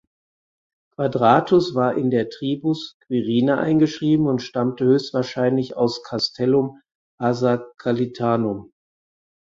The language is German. Quadratus war in der Tribus "Quirina" eingeschrieben und stammte höchstwahrscheinlich aus Castellum Arsacalitanum.